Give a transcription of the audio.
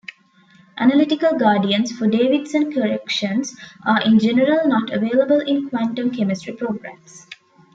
Analytical gradients for Davidson corrections are in general not available in quantum chemistry programs.